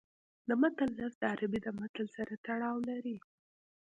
د متل لفظ د عربي د مثل سره تړاو لري